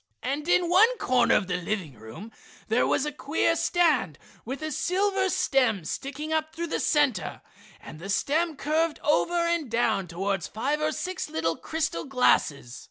And in one corner of the living room there was a queer stand with a silver stem sticking up through the center, and the stem curved over and down towards five or six little crystal glasses.